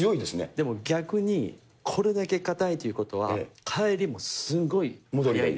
でも逆にこれだけ硬いということは、返りもすごい、戻りが。